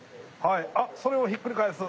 それをひっくり返す。